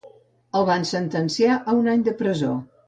El van sentenciar a un any de presó.